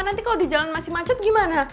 nanti kalau di jalan masih macet gimana